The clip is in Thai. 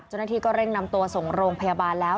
เจ้าหน้าที่ก็เร่งนำตัวส่งโรงพยาบาลแล้ว